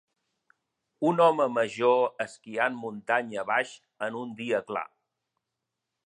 Un home major esquiant muntanya a baix en un dia clar.